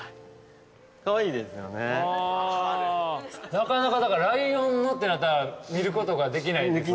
なかなかだからライオンのってなったら見ることができない。